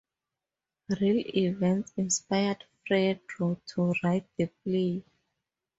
Real events inspired Fredro to write the play.